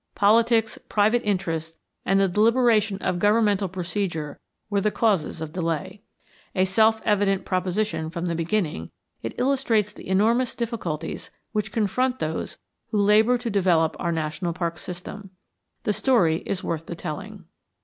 Politics, private interests, and the deliberation of governmental procedure were the causes of delay. A self evident proposition from the beginning, it illustrates the enormous difficulties which confront those who labor to develop our national parks system. The story is worth the telling.